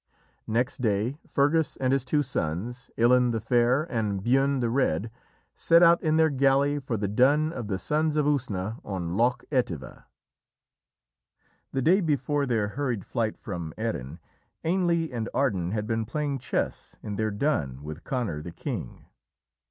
Next day Fergus and his two sons, Illann the Fair and Buinne the Red, set out in their galley for the dun of the Sons of Usna on Loch Etive. The day before their hurried flight from Erin, Ainle and Ardan had been playing chess in their dun with Conor, the king.